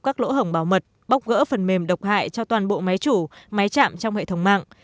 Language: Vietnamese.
các lỗ hổng bảo mật bóc gỡ phần mềm độc hại cho toàn bộ máy chủ máy chạm trong hệ thống mạng